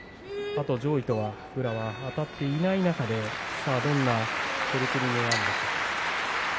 あと上位は宇良はあたっていない中でどんな取り組みになるのか。